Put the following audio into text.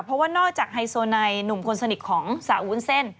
เพราะว่านอกจากไฮโซไนหนุ่มคนสนิทของสาววุ้นเส้น